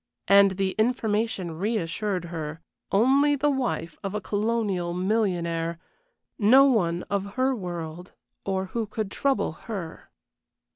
And the information reassured her. Only the wife of a colonial millionaire; no one of her world or who could trouble her.